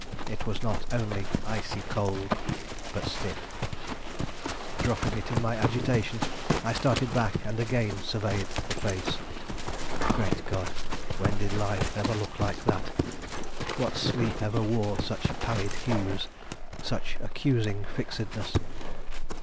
It was not only icy cold, but stiff. Dropping it in my agitation, I started back and again surveyed the face. Great God! when did life ever look like that? What sleep ever wore such pallid hues, such accusing fixedness?